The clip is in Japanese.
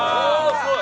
すごい！